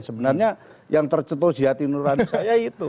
sebenarnya yang tercetujuh ziyati nurani saya itu